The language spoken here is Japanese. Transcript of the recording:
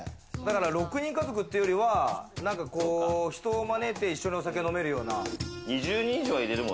６人家族っていうよりは、人を招いて、お酒を一緒に飲めるような。